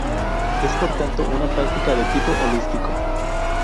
Es por tanto una práctica de tipo holístico.